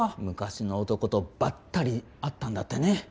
昔の男とばったり会ったんだってね。